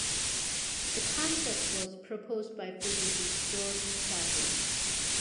The concept was proposed by physicist George Chapline.